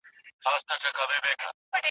کومه کړنه ګناه ګڼل کيږي؟